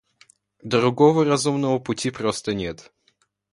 Другого разумного пути просто нет.